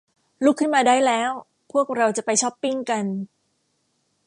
ลุกขึ้นมาได้แล้ว พวกเราจะไปช๊อปปิ้งกัน